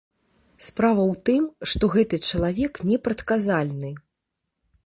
Справа ў тым, што гэты чалавек непрадказальны.